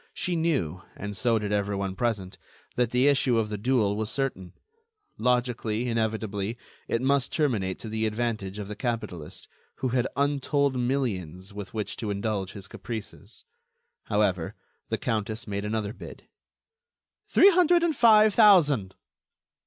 She knew, and so did everyone present, that the issue of the duel was certain; logically, inevitably, it must terminate to the advantage of the capitalist, who had untold millions with which to indulge his caprices. However, the countess made another bid: "Three hundred and five thousand."